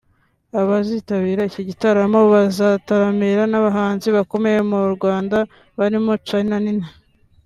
abazitabira iki gitaramo bazataramirwa n'abahanzi bakomeye mu Rwanda barimo Charly na Nina